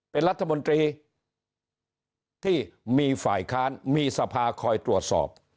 เป็นรัฐมนตรีที่มีฝ่ายค้านมีสภาคอยตรวจสอบ